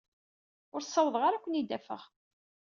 Ur ssawḍeɣ ara ad ken-id-afeɣ.